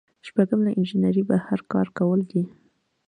شپږم له انجنیری بهر کار کول دي.